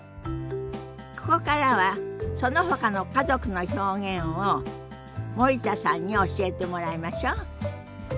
ここからはそのほかの家族の表現を森田さんに教えてもらいましょ。